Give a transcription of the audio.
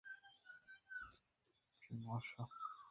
কিন্তু আমরা একটি সঙ্কট হইতে নিষ্কৃতি পাইয়া অপর একটি সঙ্কটে পতিত হইলাম।